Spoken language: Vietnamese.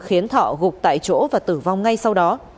khiến thọ gục tại chỗ và tử vong ngay sau đó